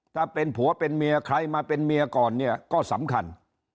ถ้าเป็นผัวเป็นเมียใครมาเป็นเมียก่อนเนี่ยก็สำคัญ